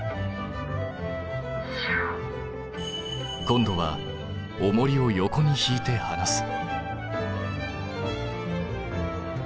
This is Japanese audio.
今度はおもりを横にひいてはなす。